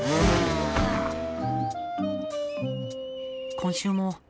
今週も。